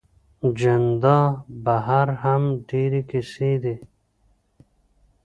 اجندا بهر هم ډېرې کیسې دي.